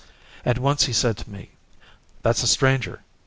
At once he said to me, 'That's a stranger.